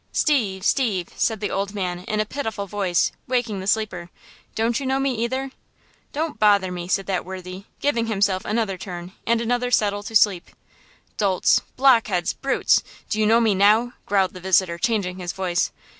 "Steve! Steve!" said the old man, in a pitiful voice, waking the sleeper. "Don't you know me, either?" "Don't bother me," said that worthy, giving himself another turn and another settle to sleep. "Dolts! blockheads! brutes! Do you know me now?" growled the visitor, changing his voice.